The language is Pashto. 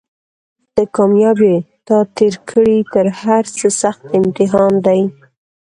ته کامیاب یې تا تېر کړی تر هرڅه سخت امتحان دی